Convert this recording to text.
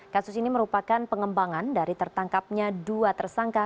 kasus ini merupakan pengembangan dari tertangkapnya dua tersangka